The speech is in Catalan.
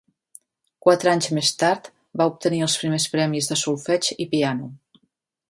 Quatre anys més tard va obtenir els primers premis de solfeig i piano.